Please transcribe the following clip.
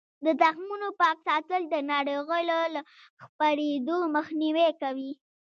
د تخمونو پاک ساتل د ناروغیو له خپریدو مخنیوی کوي.